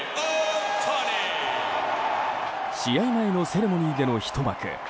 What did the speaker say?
試合前のセレモニーでのひと幕。